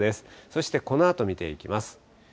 そしてこのあと見ていきます。